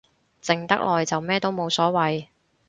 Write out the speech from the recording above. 靜得耐就咩都冇所謂